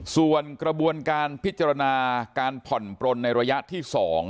ส่วนกระบวนการพิจารณาการผ่อนปลนในระยะที่๒